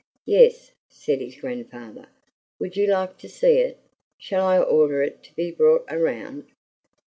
"Yes," said his grandfather. "Would you like to see it? Shall I order it to be brought around?"